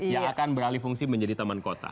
yang akan beralih fungsi menjadi taman kota